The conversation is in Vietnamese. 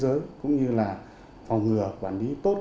đang vận chuyển hai bánh heroin